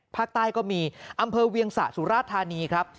ภาคใต้ก็มีอำเภอเวียงสะสุราธานีครับ